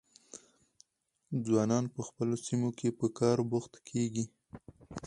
ځوانان په خپلو سیمو کې په کار بوخت کیږي.